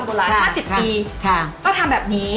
คุณยายใช้สูตรนี้ทำมาตั้งแต่สมัยที่ขายโบราณ๕๐ปี